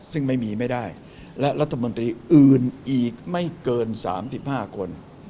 ซึ่งไม่มีไม่ได้และรัฐมนตรีอื่นอีกไม่เกิน๓๕คน